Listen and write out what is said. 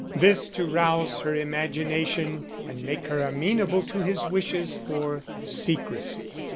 This to rouse her imagination and make her amenable to his wishes for secrecy.